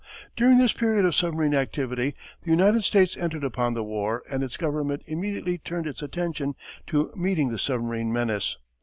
During this period of submarine activity the United States entered upon the war and its government immediately turned its attention to meeting the submarine menace.